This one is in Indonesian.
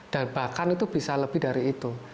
dan bahkan itu bisa lebih dari itu